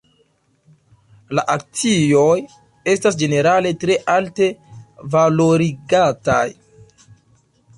La akcioj estas ĝenerale tre alte valorigataj.